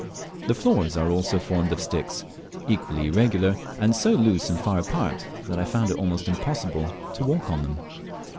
The floors are also formed of sticks, equally irregular, and so loose and far apart that I found it almost impossible to walls on them.